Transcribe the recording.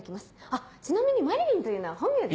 あっちなみに麻理鈴というのは本名でして。